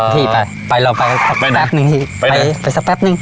พี่ไปไปเราไปแป๊บนึงพี่ไปไปสักแป๊บนึง